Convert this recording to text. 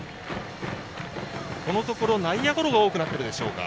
このところ内野ゴロが多くなっていますか。